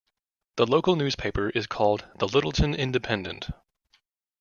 The local newspaper is called the "Littleton Independent".